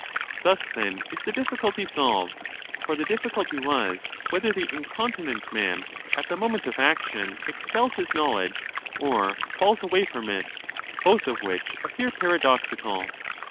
Thus, then, is the ' difficulty solved. For the difficulty was whether the incontinent man at the moment of action expels his knowledge or falls away from it, both of which appear paradoxical.